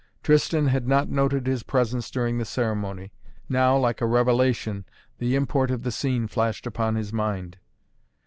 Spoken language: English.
Tristan had not noted his presence during the ceremony. Now, like a revelation, the import of the scene flashed upon his mind.